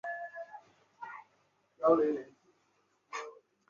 民主共和党的对立政党是联邦党。